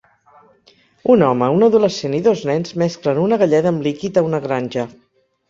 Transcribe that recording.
Un home, un adolescent i dos nens mesclen una galleda amb líquid a una granja.